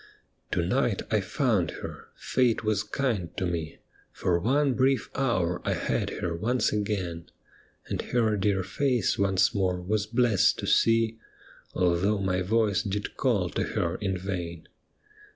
To night I found her ; fate was kind to me ; For one brief hour I had her once again, And her dear face once more was blessed to see. Although my voice did call to her in vain.